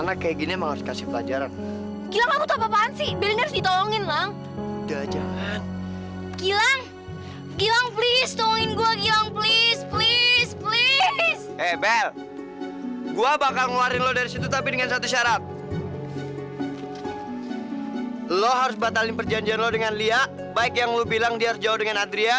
sampai jumpa di video selanjutnya